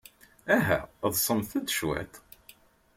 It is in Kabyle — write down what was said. Aha, ḍsemt-d cwiṭ.